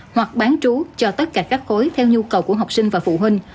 hoặc bán trú cho tất cả các khối theo nhu cầu của học sinh và phụ huynh